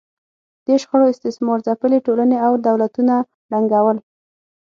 دې شخړو استثمار ځپلې ټولنې او دولتونه ړنګول